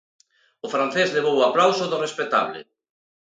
O francés levou o aplauso do respectable.